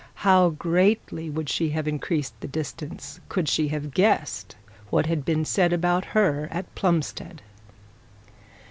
How greatly would she have increased the distance could he have guessed what had been said about her at Plumstead!